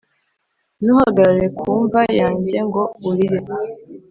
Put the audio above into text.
ntuhagarare ku mva yanjye ngo urire,